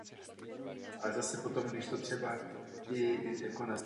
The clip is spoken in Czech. Ve městě sídlí jedna z fakult Gruzínské technické univerzity.